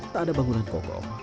tak ada bangunan kokoh